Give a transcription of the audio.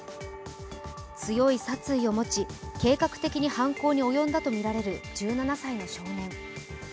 強い殺意を持ち、計画的に犯行に及んだとみられる１７歳の少年。